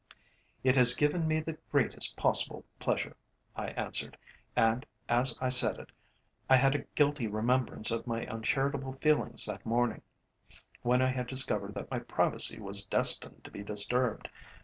"It has given me the greatest possible pleasure," I answered, and, as I said it, I had a guilty remembrance of my uncharitable feelings that morning, when I had discovered that my privacy was destined to be disturbed.